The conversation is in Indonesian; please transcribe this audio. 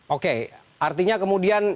oke artinya kemudian